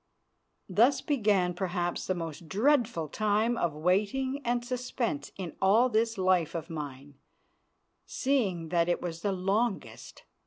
Thus began perhaps the most dreadful time of waiting and suspense in all this life of mine, seeing that it was the longest.